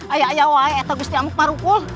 ayah ayah wa ayah itu gusti amuk pak rukul